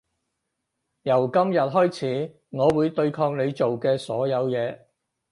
由今日開始我會對抗你做嘅所有嘢